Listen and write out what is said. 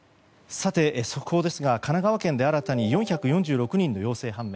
さて、速報ですが神奈川県で新たに４４６人の陽性判明。